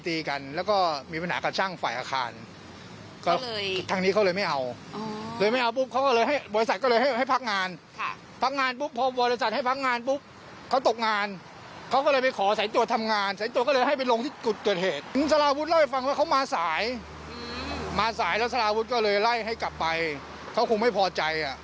ถึงสลาวุธเล่าให้ฟังว่าเขามาสายมาสายแล้วสลาวุธก็เลยไล่ให้กลับไปเขาคงไม่พอใจ